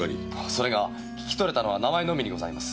それが聞き取れたのは名前のみにございます。